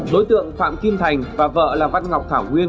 đối tượng phạm kim thành và vợ là văn ngọc thảo nguyên